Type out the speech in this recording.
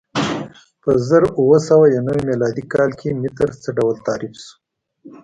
په زر اووه سوه یو نوې میلادي کال کې متر څه ډول تعریف شو؟